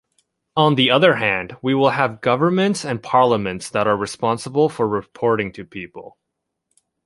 On the other hand, we will have governments and parliaments that are responsible for reporting to people.